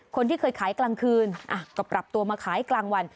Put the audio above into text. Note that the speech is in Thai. คนที่เคยขายกลางคืนก็ปรับตัวมาขายกลางวัน